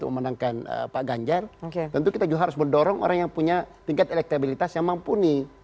maka kita harus mendorong orang yang punya tingkat elektabilitas yang mampuni